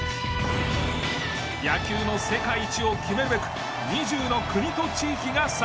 野球の世界一を決めるべく２０の国と地域が参加。